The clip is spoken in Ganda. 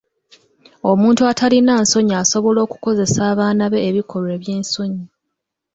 Omuntu atalina nsonyi asobola okukozesa abaana be ebikolwa eby'ensonyi.